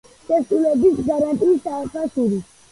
შესრულების გარანტიის საფასური.